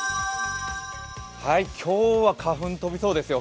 今日は花粉飛びそうですよ。